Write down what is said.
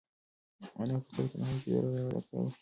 انا په سړه تنهایۍ کې د رب عبادت کاوه.